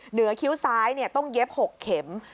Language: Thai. เหนือคิ้วซ้ายเนี่ยต้องเย็บ๖เข็ม